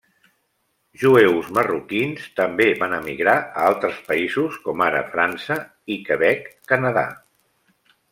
Jueus marroquins també van emigrar a altres països, com ara França i Quebec, Canadà.